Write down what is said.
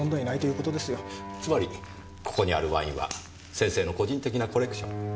つまりここにあるワインは先生の個人的なコレクション。